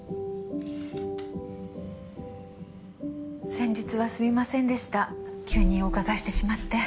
先日はすみませんでした急にお伺いしてしまって。